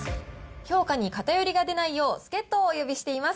評価に偏りが出ないよう、助っ人をお呼びしています。